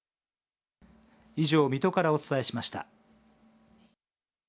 以上、水戸からお伝えしました。